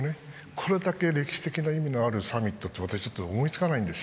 これだけ歴史的な意味のあるサミットは思いつかないんです。